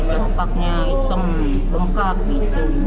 kepaknya hitam bengkak gitu